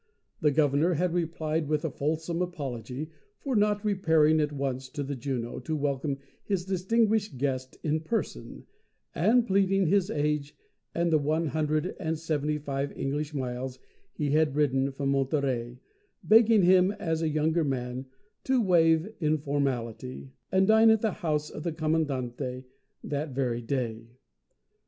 The Governor had replied with a fulsome apology for not repairing at once to the Juno to welcome his distinguished guest in person, and, pleading his age and the one hundred and seventy five English miles he had ridden from Monterey, begged him as a younger man to waive informality, and dine at the house of the Commandante that very day.